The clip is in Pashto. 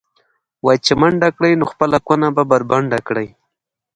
وایي چې منډه کړې، نو خپله کونه به بربنډه کړې.